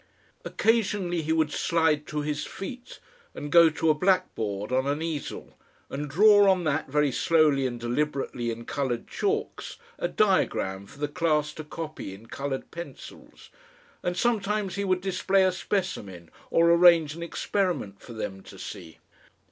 Occasionally he would slide to his feet and go to a blackboard on an easel and draw on that very slowly and deliberately in coloured chalks a diagram for the class to copy in coloured pencils, and sometimes he would display a specimen or arrange an experiment for them to see.